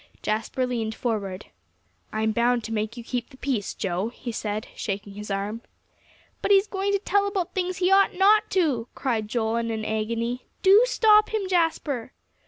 Jasper leaned forward. "I'm bound to make you keep the peace, Joe," he said, shaking his arm. "But he's going to tell about things he ought not to," cried Joel, in an agony. "Do stop him, Jasper."